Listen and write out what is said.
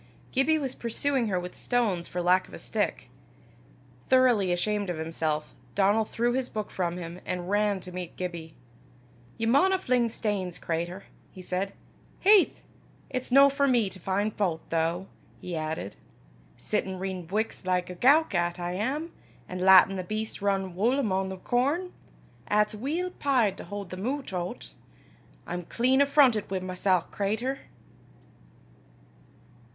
Gibbie was pursuing her with stones for lack of a stick. Thoroughly ashamed of himself, Donal threw his book from him, and ran to meet Gibbie. "Ye maunna fling stanes, cratur," he said. "Haith! it's no for me to fin' fau't, though," he added, "sittin' readin' buiks like a gowk 'at I am, an' lattin' the beasts rin wull amo' the corn, 'at's weel peyed to haud them oot o' 't! I'm clean affrontit wi' mysel', cratur."